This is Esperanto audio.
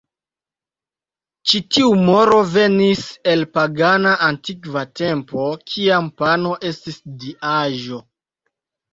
Ĉi tiu moro venis el pagana antikva tempo, kiam pano estis diaĵo.